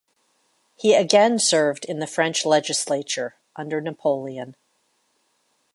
He again served in the French legislature under Napoleon.